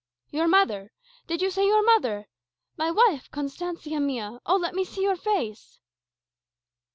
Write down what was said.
"Your mother! Did you say your mother? My wife, Costanza mia. Oh, let me see your face!"